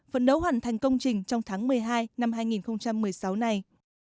phần đấu hoàn thành công trình trong tháng một mươi hai năm hai nghìn một mươi sáu này